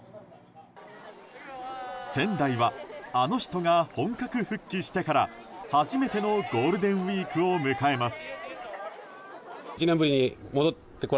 仙台はあの人が本格復帰してから初めてのゴールデンウィークを迎えます。